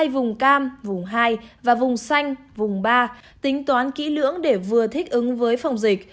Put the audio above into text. vùng cam vùng hai và vùng xanh vùng ba tính toán kỹ lưỡng để vừa thích ứng với phòng dịch